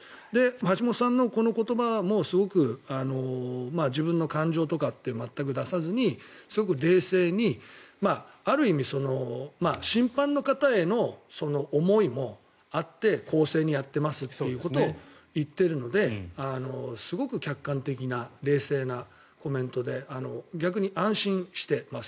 橋本さんのこの言葉も自分の感情とか全く出さずにすごく冷静にある意味審判の方への思いもあって公正にやってますということを言っているのですごく客観的な冷静なコメントで逆に安心しています。